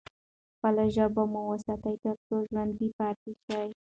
خپله ژبه مو وساتئ ترڅو ژوندي پاتې شئ.